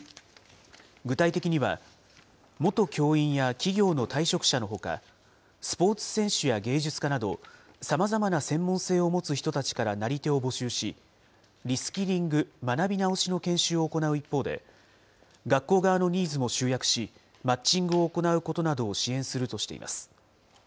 具体的には、元教員や企業の退職者のほか、スポーツ選手や芸術家など、さまざまな専門性を持つ人たちからなり手を募集し、リスキリング・学び直しの研修を行う一方で、学校側のニーズも集約し、マッチングを行うことなどを支援するとしています。